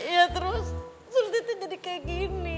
ya terus surti teh jadi kayak gini